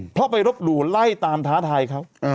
เพราะไปรบหลู่ไล่ตามท้าทายเขา